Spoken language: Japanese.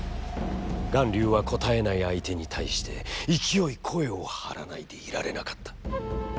巌流は、答えない相手に対して、勢い声を張らないで居られなかった。